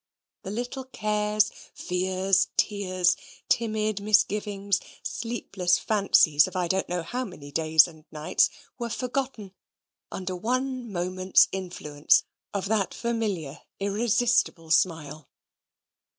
The little cares, fears, tears, timid misgivings, sleepless fancies of I don't know how many days and nights, were forgotten, under one moment's influence of that familiar, irresistible smile.